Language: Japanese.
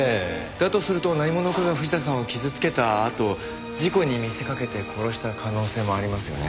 だとすると何者かが藤田さんを傷つけたあと事故に見せかけて殺した可能性もありますよね。